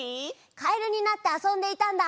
かえるになってあそんでいたんだ！